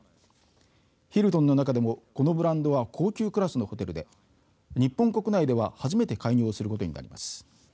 ヒルトンの中でもこのブランドは高級クラスのホテルで日本国内では初めて開業することになります。